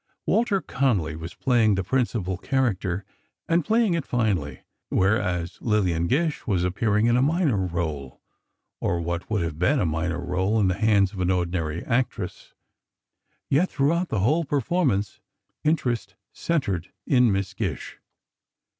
Walter Connolly was playing the principal character, and playing it finely, whereas Lillian Gish was appearing in a minor rôle, or what would have been a minor rôle in the hands of an ordinary actress. Yet throughout the whole performance interest centered in Miss Gish.